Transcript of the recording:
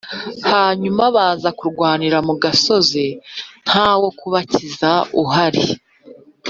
Hanyuma baza kurwanira mu gasozi h nta wo kubakiza uhari